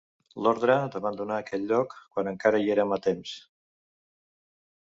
L'ordre, d'abandonar aquell lloc quan encara hi érem a temps